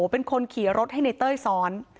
เป็นคนขี่รถให้ในเต้ยซ้อน